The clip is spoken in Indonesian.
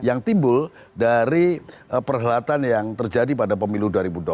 yang timbul dari perhelatan yang terjadi pada pemilu dua ribu dua puluh